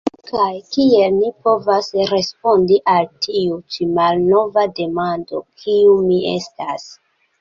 Kaj kiel ni povas respondi al tiu ĉi malnova demando: Kiu mi estas?